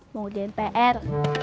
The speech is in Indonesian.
mau di npr